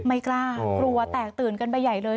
ไม่กล้ากลัวแตกตื่นกันไปใหญ่เลย